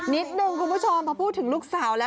นิดนึงคุณผู้ชมพอพูดถึงลูกสาวแล้ว